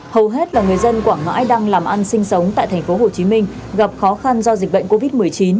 hầu hết là người dân quảng ngãi đang làm ăn sinh sống tại thành phố hồ chí minh gặp khó khăn do dịch bệnh covid một mươi chín